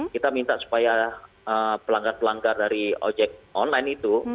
kita minta supaya pelanggar pelanggar dari ojek online itu